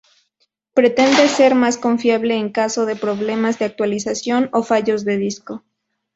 Pretende ser más confiable en caso de problemas de actualización o fallos de disco.